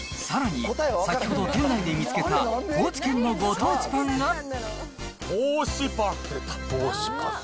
さらに、先ほど店内で見つけた、高知県のご当地パンが。